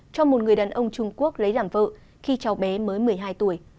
trong một người đàn ông trung quốc lấy đảm vợ khi cháu bé mới một mươi hai tuổi